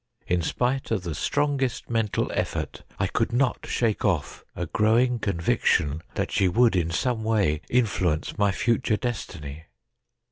In spite of the strongest mental effort, I could not shake off a growing conviction that she would in some way influence my future destiny.